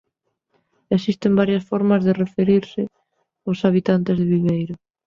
Existen varias formas de referirse os habitantes de Viveiro.